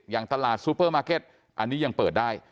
อย่างตลาดซูเปอร์มาร์เก็ตอันนี้ยังเปิดได้